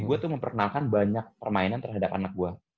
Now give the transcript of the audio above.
gue tuh memperkenalkan banyak permainan terhadap anak gue